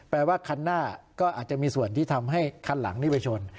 แปลว่าคันหน้าก็อาจจะมีส่วนที่ทำให้คันหลังนี้ไปชน